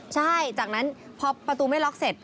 ใช่จากนั้นพอประตูไม่ล็อกเสร็จ